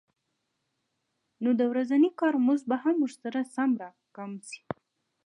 نو د ورځني کار مزد به هم ورسره سم راکم شي